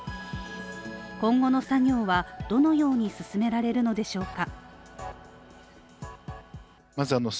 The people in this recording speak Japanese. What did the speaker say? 今後の作業はどのように進められるのでしょうか？